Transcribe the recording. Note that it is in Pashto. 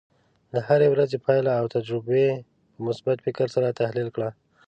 د هرې ورځې پایله او تجربې په مثبت فکر سره تحلیل کړه.